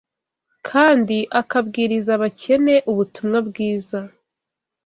kandi akabwiriza abakene ubutumwa bwiza